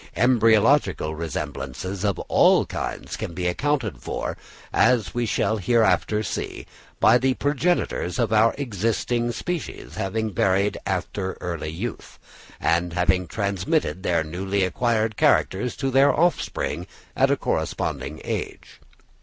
Embryological resemblances of all kinds can be accounted for, as we shall hereafter see, by the progenitors of our existing species having varied after early youth, and having transmitted their newly acquired characters to their offspring, at a corresponding age.